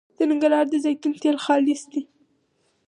د ننګرهار د زیتون تېل خالص دي